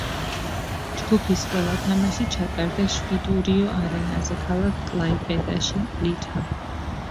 ჯგუფის ყველა თამაში ჩატარდა შვიტურიო არენაზე ქალაქ კლაიპედაში, ლიტვა.